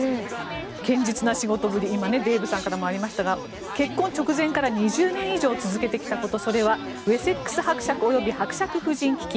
堅実な仕事ぶりとデーブさんからもありましたが結婚直前から２０年以上続けてきたことそれはウェセックス伯爵および伯爵夫人基金。